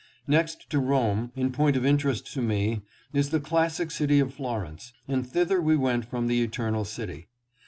Next to Rome, in point of interest to me, is the clas sic city of Florence, and thither we went from the Eternal City.